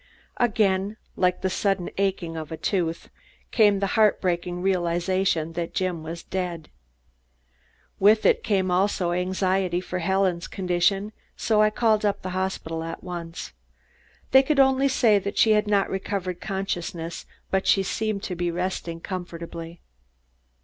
Again, like the sudden aching of a tooth, came the heart breaking realization that Jim was dead. With it came also anxiety for Helen's condition, so I called up the hospital at once. They could only say she had not recovered consciousness, but seemed to be resting comfortably.